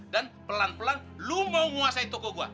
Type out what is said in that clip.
dan pelan pelan lo mau nguasai toko gue